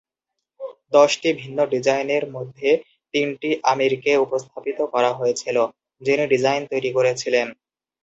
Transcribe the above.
দশটি ভিন্ন ডিজাইনের মধ্যে তিনটি আমিরকে উপস্থাপিত করা হয়েছিল, যিনি ডিজাইন তৈরি করেছিলেন।